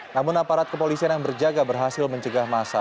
namun aparat kepolisian yang berjaga berhasil mencegah masa